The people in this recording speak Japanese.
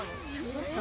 どうした？